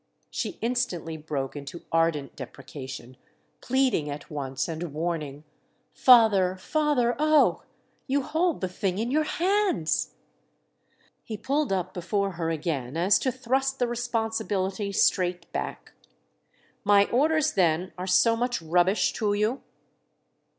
She instantly broke into ardent deprecation, pleading at once and warning. "Father, father, oh—! You hold the thing in your hands." He pulled up before her again as to thrust the responsibility straight back. "My orders then are so much rubbish to you?"